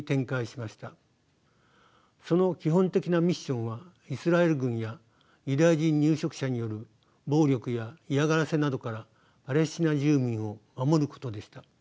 その基本的なミッションはイスラエル軍やユダヤ人入植者による暴力や嫌がらせなどからパレスチナ住民を守ることでした。